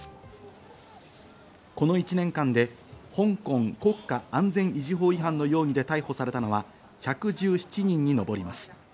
この１年間で香港国家安全維持法違反の容疑で逮捕されたのは１１７人に上ります。